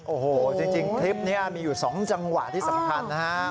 โอ้โหจริงคลิปนี้มีอยู่๒จังหวะที่สำคัญนะฮะ